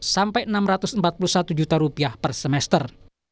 sampai rp enam ratus empat puluh satu juta rupiah per semester